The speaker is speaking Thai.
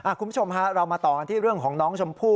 คุณผู้ชมฮะเรามาต่อกันที่เรื่องของน้องชมพู่